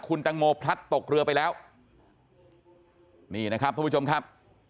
คุณตังโมพลัดตกเรือไปแล้วนี่นะครับทุกผู้ชมครับ